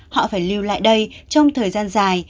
họ phải lưu lại đây trong thời gian dài